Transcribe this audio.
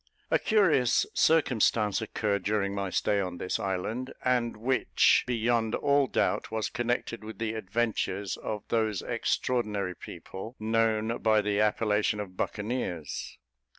A curious circumstance occurred during my stay on this island, and which, beyond all doubt, was connected with the adventures of those extraordinary people, known by the appellation of Buccaneers.